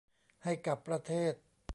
ให้กับประเทศ